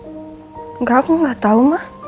enggak aku gak tau ma